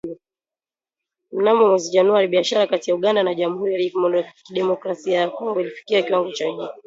Mnamo mwezi Januari, biashara kati ya Uganda na Jamuhuri ya kidemokrasia ya Kongo ilifikia kiwango cha juu